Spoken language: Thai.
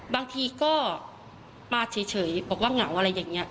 บางทีก็มาเฉยบอกว่าเหงาอะไรอย่างนี้